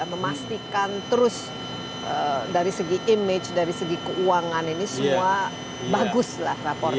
memastikan terus dari segi image dari segi keuangan ini semua bagus lah rapornya